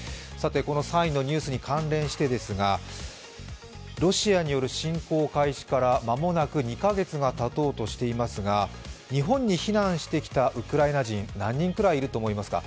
この３位のニュースに関連してですが、ロシアによる侵攻開始から間もなく２カ月がたとうとしていますが日本に避難してきたウクライナ人、何人くらいいると思いますか？